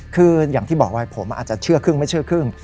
คืออย่างที่บอกไว้ผมอาจจะเชื่อครึ่งไม่เชื่อครึ่ง